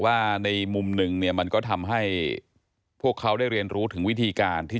ว่าในมุมหนึ่งเนี่ยมันก็ทำให้พวกเขาได้เรียนรู้ถึงวิธีการที่